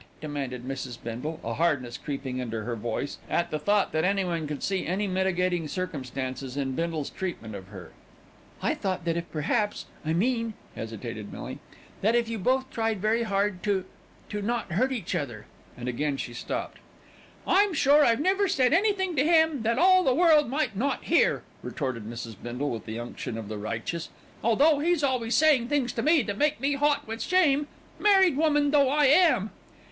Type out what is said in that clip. demanded Mrs. Bindle, a hardness creeping into her voice at the thought that anyone could see any mitigating circumstance in Bindle's treatment of her. "I thought that if perhaps I mean," hesitated Millie, "that if you both tried very hard to to, not to hurt each other " again she stopped. "I'm sure I've never said anything to him that all the world might not hear," retorted Mrs. Bindle, with the unction of the righteous, "although he's always saying things to me that make me hot with shame, married woman though I am."